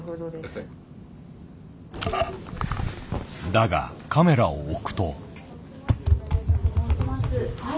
だがカメラを置くと。